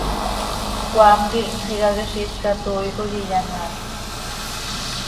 Cmaam quih xicaquiziil catooi coi iyamaaat.